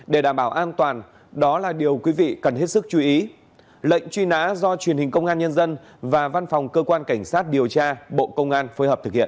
để đảm bảo an toàn đó là điều quý vị cần hết sức chú ý lệnh truy nã do truyền hình công an nhân dân và văn phòng cơ quan cảnh sát điều tra bộ công an phối hợp thực hiện